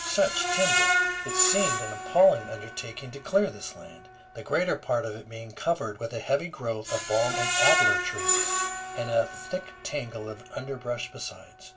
Such timber! It seemed an appalling undertaking to clear this land, the greater part of it being covered with a heavy growth of balm and alder trees and a thick tangle of underbrush besides.